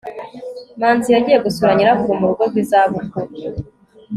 manzi yagiye gusura nyirakuru mu rugo rw'izabukuru